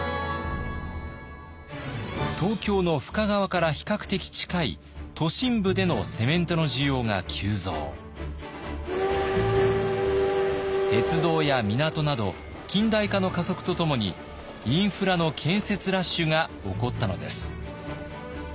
東京の深川から比較的近い鉄道や港など近代化の加速とともにインフラの建設ラッシュが起こったのです。